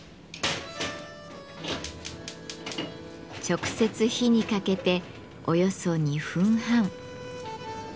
直接火にかけておよそ２分半。